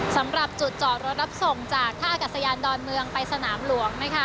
สำหรับจุดจอดรถรับส่งจากท่าอากาศยานดอนเมืองไปสนามหลวง